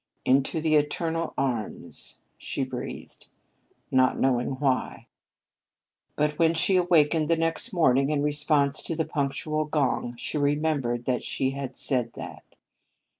"Into the Eternal Arms," she breathed, not knowing why. But when she awakened the next morning in response to the punctual gong, she remembered that she had said that.